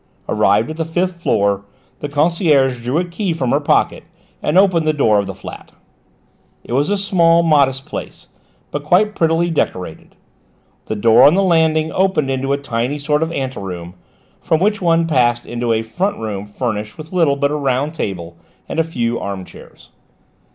Arrived at the fifth floor, the concierge drew a key from her pocket and opened the door of the flat. It was a small modest place, but quite prettily decorated. The door on the landing opened into a tiny sort of anteroom, from which one passed into a front room furnished with little but a round table and a few arm chairs.